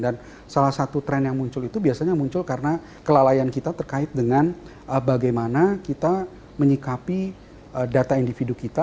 salah satu tren yang muncul itu biasanya muncul karena kelalaian kita terkait dengan bagaimana kita menyikapi data individu kita